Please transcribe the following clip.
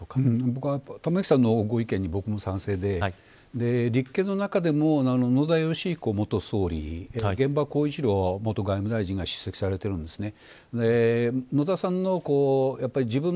僕は玉木さんのご意見に賛成で立憲の中でも野田元総理玄葉元外務大臣が出席されているんですね。